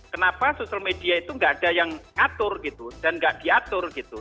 kenapa sosial media itu gak ada yang ngatur gitu dan gak diatur gitu